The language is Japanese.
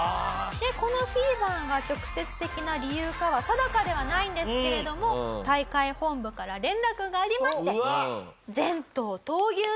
このフィーバーが直接的な理由かは定かではないんですけれども大会本部から連絡がありまして。